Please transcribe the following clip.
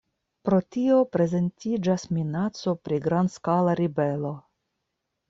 Pro tio prezentiĝas minaco pri grandskala ribelo.